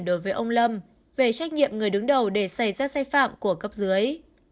đối với ông lâm về trách nhiệm người đứng đầu để xảy ra sai phạm của cấp dưới